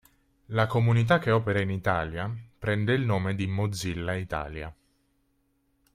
La comunità che opera in Italia prende il nome di Mozilla Italia.